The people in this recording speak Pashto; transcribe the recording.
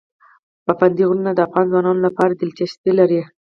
پابندی غرونه د افغان ځوانانو لپاره دلچسپي لري.